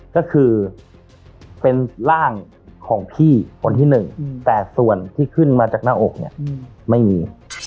ก็คือเป็นร่างของพี่คนที่หนึ่งแต่ส่วนที่ขึ้นมาจากหน้าอกเนี่ยไม่มี